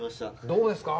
どうですか？